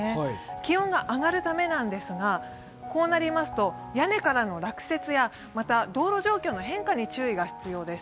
気温が上がるためなんですが、こうなりますと屋根からの落雪やまた道路状況の変化に注意が必要です。